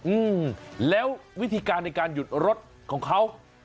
อืมแล้ววิธีการในการหยุดรถของเขา